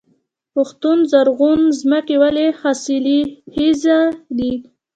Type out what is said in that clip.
پښتون زرغون ځمکې ولې حاصلخیزه دي؟